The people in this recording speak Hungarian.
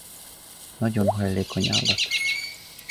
Nagyon hajlékony állat.